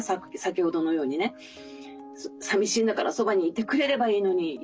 先ほどのようにね「寂しいんだからそばにいてくれればいいのに」